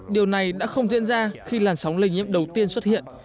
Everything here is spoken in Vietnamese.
điều này đã không diễn ra khi làn sóng lây nhiễm đầu tiên xuất hiện